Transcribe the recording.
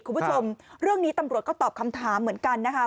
คุณผู้ชมเรื่องนี้ตำรวจก็ตอบคำถามเหมือนกันนะคะ